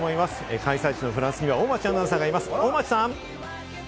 開催地のフランスには、大町アナウンサーがいます大町さん。